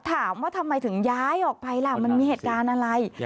ถามว่าทำไมถึงย้ายออกไปล่ะมันมีเหตุการณ์อะไร